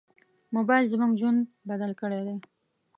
موبایل زموږ ژوند بدل کړی دی.